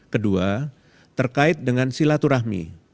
kedua terkait dengan silaturahmi